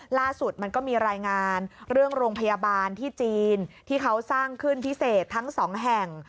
ล่าสุดมันก็มีรายงานเรื่องโรงพยาบาลที่จีนที่เขาสร้างขึ้นพิเศษทั้งสองแห่ง